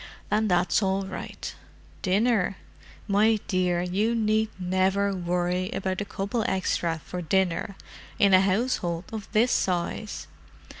"Then that's all right. Dinner? My dear, you need never worry about a couple extra for dinner in a household of this size.